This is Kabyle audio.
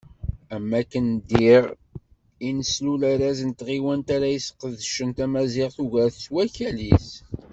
Am wakken diɣ, i d-neslul arraz n tɣiwant ara yesqedcen tamaziɣt ugar deg wakal-is.